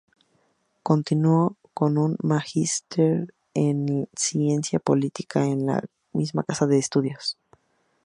Continuó con un magíster en ciencia política en la misma casa de estudios.